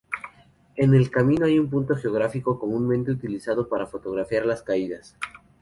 En el camino hay un punto geográfico comúnmente utilizado para fotografiar las caídas.